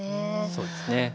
そうですね。